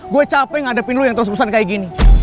gue capek ngadepin lo yang terus terusan kayak gini